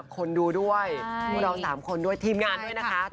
คนดูด้วยพวกเรา๓คนด้วยทีมงานด้วยนะคะ